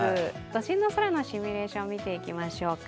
都心の空のシミュレーション、見ていきましょう。